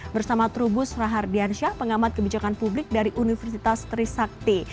bersama trubus rahardiansyah pengamat kebijakan publik dari universitas trisakti